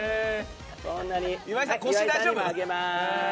岩井さん、腰大丈夫？